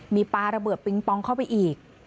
มีปลาระเบิดปิงปองเข้าไปอีก